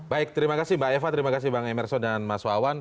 baik terima kasih mbak eva terima kasih bang emerson dan mas wawan